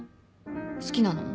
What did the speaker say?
好きなの？